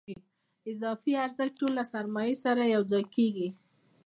اضافي ارزښت ټول له سرمایې سره یوځای کېږي